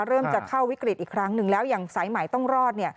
เริ่มจะเข้าวิกฤตอีกครั้งหนึ่งแล้วอย่างสายใหม่ต้องรอดเนี่ย